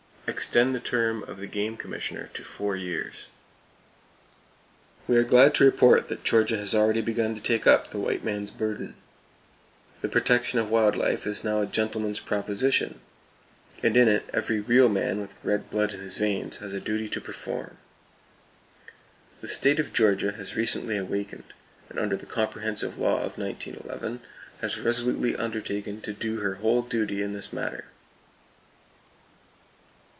Extend the term of the game commissioner to four years. We are glad to report that Georgia has already begun to take up the white man's burden. The protection of wild life is now a gentleman's proposition, and in it every real man with red blood in his veins has a duty to perform. The state of Georgia has recently awakened, and under the comprehensive law of 1911 has resolutely undertaken to do her whole duty in this matter.